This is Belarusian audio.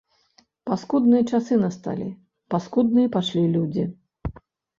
Паскудныя часы насталі, паскудныя пайшлі людзі.